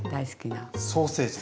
ソーセージ。